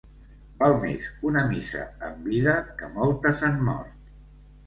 Val més una missa en vida que moltes en mort.